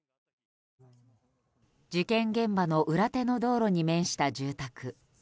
事件現場の裏手の道路に面した住宅。